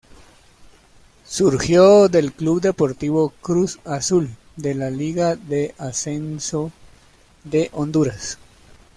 Surgió del Club Deportivo Cruz Azul de la Liga de Ascenso de Honduras.